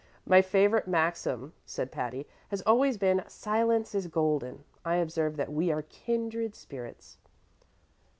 "My favorite maxim," said Patty, "has always been, 'Silence is golden.' I observe that we are kindred spirits."